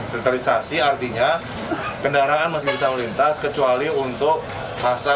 filterisasi artinya kendaraan masih bisa melintas kecuali untuk masa dua ratus dua belas